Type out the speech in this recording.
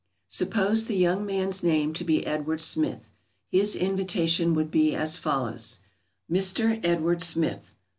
Suppose the young man's name to be Edward Smith. His invitation would be as follows: ++| _MR. EDWARD SMITH.